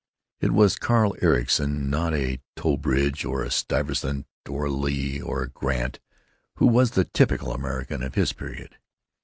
It was Carl Ericson, not a Trowbridge or a Stuyvesant or a Lee or a Grant, who was the "typical American" of his period.